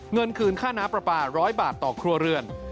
เงินคืนค่าน้ำปลาปลาร้อยบาทต่อครัวเรือน